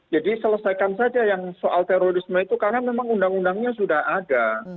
jadi selesaikan saja yang soal terorisme itu karena memang undang undangnya sudah ada